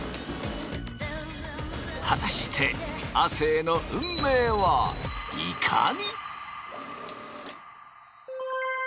果たして亜生の運命はいかに。